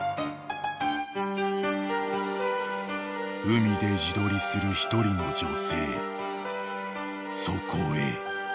［海で自撮りする１人の女性そこへ］